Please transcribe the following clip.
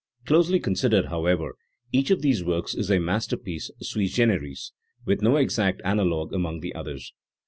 Closely considered, however, each of these works is a masterpiece sui generis, with no exact analogue among the others.